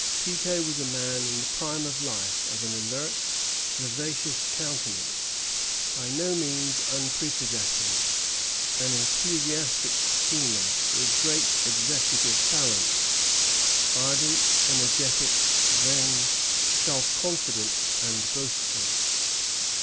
Piquet was a man in the prime of life, of an alert, vivacious countenance, by no means unprepossessing; an enthusiastic schemer, with great executive talents; ardent, energetic, vain, self confident, and boastful.